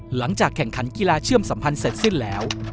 หลังจากแข่งขันกีฬาเชื่อมสัมพันธ์เสร็จสิ้นแล้ว